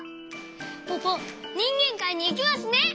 ポポにんげんかいにいけますね！